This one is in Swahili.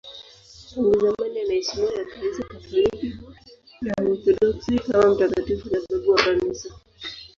Tangu zamani anaheshimiwa na Kanisa Katoliki na Waorthodoksi kama mtakatifu na babu wa Kanisa.